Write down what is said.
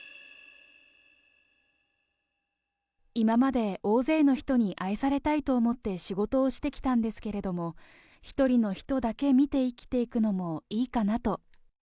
今まで大勢の人に愛されたいと思って仕事をしてきたんですけれども、一人の人だけ見て生きていくのもいいかなと。